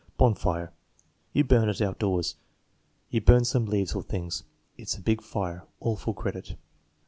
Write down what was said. Bonfire. "You burn it outdoors." "You burn some leaves or things." "It's a big fire." (All full credit.)